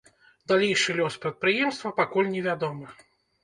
Далейшы лёс прадпрыемства пакуль не вядомы.